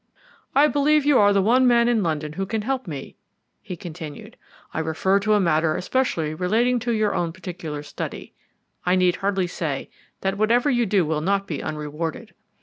"I believe you are the one man in London who can help me," he continued. "I refer to a matter especially relating to your own particular study. I need hardly say that whatever you do will not be unrewarded."